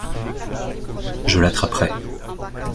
Je l’attraperai.